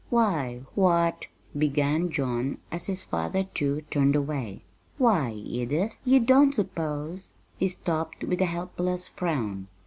"Why, what " began John, as his father, too, turned away. "Why, Edith, you don't suppose " He stopped with a helpless frown.